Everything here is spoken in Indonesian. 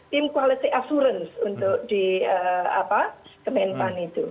tim quality assurance untuk di kementan itu